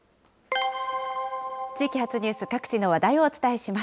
地域発ニュース、各地の話題をお伝えします。